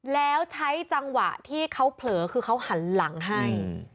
แล้วใช้จังหวะที่เขาเผลอคือเขาหันหลังให้